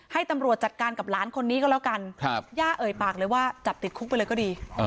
ให้ตำรวจจัดการกับหลานคนนี้ก็แล้วกันย่าเอ่ยปากเลยว่าจับติดคุกไปเลยก็ดี